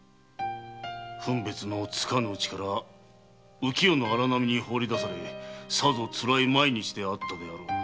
分別のつかぬうちから浮世の荒波に放り出されさぞつらい毎日であったろう。